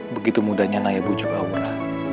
begitu mudahnya naya bujuk aura